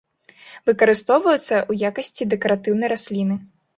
Выкарыстоўваецца ў якасці дэкаратыўнай расліны.